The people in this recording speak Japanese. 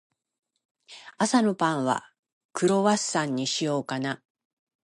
朝のパンは、クロワッサンにしようかな。